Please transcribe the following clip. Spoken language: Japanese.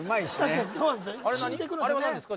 確かにそうなんですよ